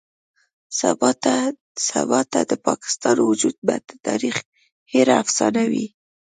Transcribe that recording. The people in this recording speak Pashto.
سباته د پاکستان وجود به د تاريخ هېره افسانه وي.